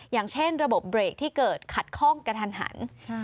อย่างเช่นระบบเบรกที่เกิดขัดข้องกระทันหัน